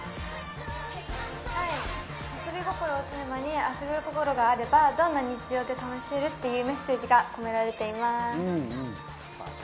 遊び心をテーマに、遊び心があればどんな日常でも楽しめるというメッセージが込められています。